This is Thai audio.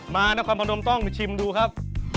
นครพนมต้องชิมดูครับ